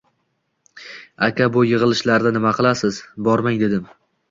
Aka, bu yig'ilishlarda nima qilasiz? Bormang, dedim